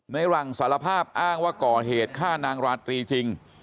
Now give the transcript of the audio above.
ในหลังสารภาพอ้างว่าก่อเหตุฆ่านางราตรีจริง